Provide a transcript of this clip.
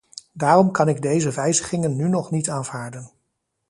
Daarom kan ik deze wijzigingen nu nog niet aanvaarden.